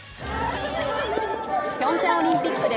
ピョンチャンオリンピックで